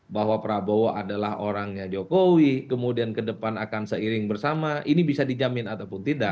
bahwa prabowo adalah orangnya jokowi kemudian ke depan akan seiring bersama ini bisa dijamin ataupun tidak